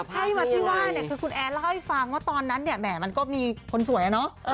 ให้มัดที่ว่าคุณแอร์เล่าให้ฟังว่าตอนนั้นแหม่มันก็มีคนสวยอ่ะเนอะ